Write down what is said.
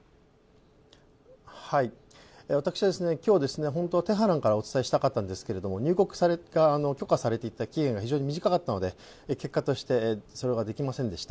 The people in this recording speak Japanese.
私は今日、本当はテヘランからお伝えしたかったんですけれども入国が許可された期限が非常に短かったので、結果として、それができませんでした。